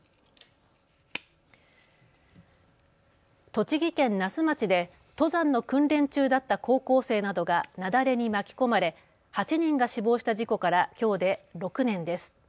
栃木県那須町で登山の訓練中だった高校生などが雪崩に巻き込まれ８人が死亡した事故からきょうで６年です。